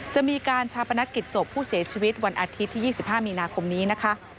จะมีการชาปนกิจศพผู้เสียชีวิตวันอาทิตย์ที่๒๕มีนาคมนี้นะคะ